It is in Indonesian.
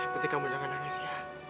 ketika menangani anesia